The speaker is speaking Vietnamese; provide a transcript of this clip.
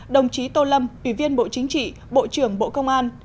đồng chí tô lâm ủy viên bộ chính trị bộ trưởng bộ công an